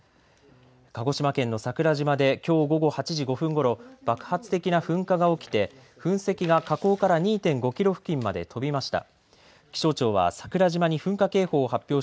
鹿児島県の桜島できょう午後８時５分ごろ爆発的な噴火が起きて噴石が火口から２．５キロ付近まで飛びました。